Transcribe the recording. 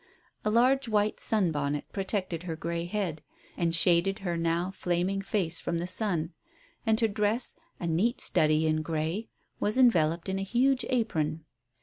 A large white sun bonnet protected her grey head and shaded her now flaming face from the sun, and her dress, a neat study in grey, was enveloped in a huge apron.